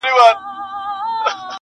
له بې هنرو ګوتو پورته سي بې سوره نغمې٫